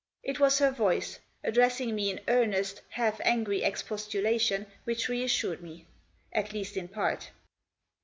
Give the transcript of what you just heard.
It was her voice, addressing me in earnest, half angry, expostulation which reassured me — at least in part.